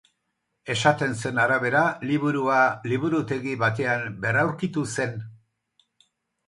Esaten zen arabera liburua liburutegi batean berraurkitu zen.